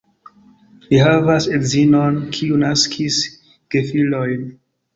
Li havas edzinon, kiu naskis gefilojn.